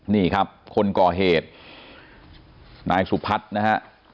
นี่ครับคนก่อเหตุนายสุพัฒน์นะฮะ